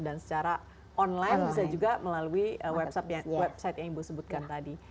dan secara online bisa juga melalui website yang mbak sebutkan tadi